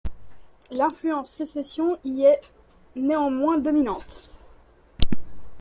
L'influence Sécession y est néanmoins dominante.